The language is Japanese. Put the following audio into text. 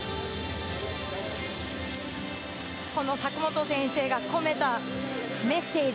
佐久本先生が込めたメッセージ。